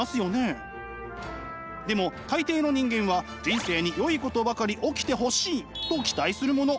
でも大抵の人間は人生によいことばかり起きてほしいと期待するもの。